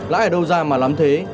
lãi ở đâu ra mà lắm thế